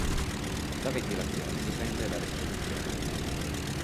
La ventilazione dipende dall’esposizione del mercato.